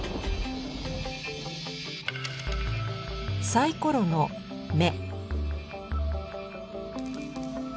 サイコロの目。